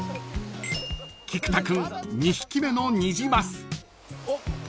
［菊田君２匹目のニジマス］